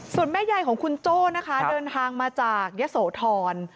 ส่วนแม่ยายของคุณโจ้นะคะเดินทางมาจากยะโสธร